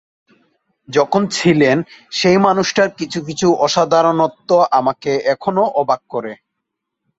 যখন ছিলেন, সেই মানুষটার কিছু কিছু অসাধারণত্ব আমাকে এখনো অবাক করে।